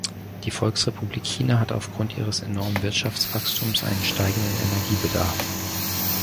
Die Volksrepublik China hat aufgrund ihres enormen Wirtschaftswachstums einen steigenden Energiebedarf.